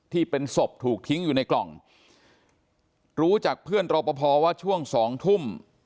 ที่เป็นศพถูกทิ้งอยู่ในกล่องรู้จากเพื่อนรอปภว่าช่วงสองทุ่ม